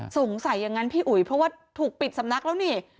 อย่างนั้นพี่อุ๋ยเพราะว่าถูกปิดสำนักแล้วนี่